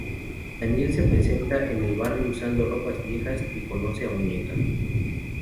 Daniel se presenta en el barrio usando ropas viejas y conoce a Muñeca.